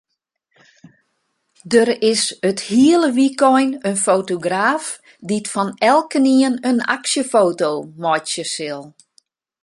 Der is it hiele wykein in fotograaf dy't fan elkenien in aksjefoto meitsje sil.